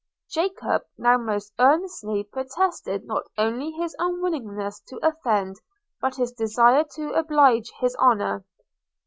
– Jacob now most earnestly protested not only his unwillingness to offend, but his desire to oblige his honour.